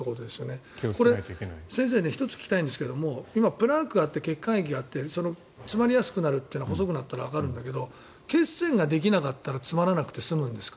１つ先生に聞きたいんですけども今、プラークがあって血管壁があって詰まりやすくなるというのは細くなったらわかるんだけど血栓ができなかったら詰まらなくて済むんですか？